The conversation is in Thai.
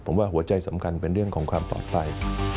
ผมว่าหัวใจสำคัญเป็นเรื่องของความปลอดภัย